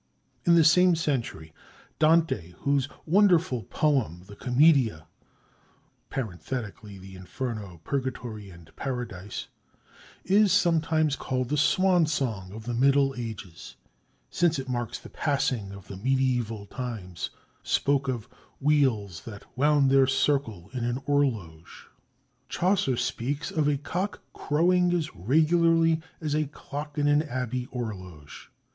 In the same century, Dante, whose wonderful poem the Commedia, (the Inferno, Purgatory and Paradise) is sometimes called the "Swan Song of the Middle Ages," since it marks the passing of the medieval times, spoke of "wheels that wound their circle in an orloge." Chaucer speaks of a cock crowing as regularly "as a clock in an abbey orloge."